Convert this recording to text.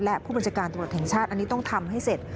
และผู้บัญชาการตรวจแห่งชาติอันนี้ต้องทำให้เสร็จ